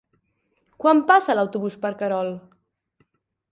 Quan passa l'autobús per Querol?